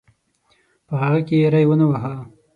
په هغه کې یې ری ونه واهه.